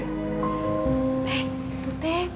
eh tuh teh